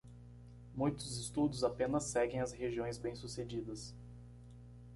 Muitos estudos apenas seguem as regiões bem sucedidas.